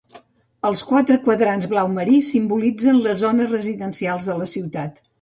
Els quatre quadrants blau marí simbolitzen les zones residencials de la ciutat.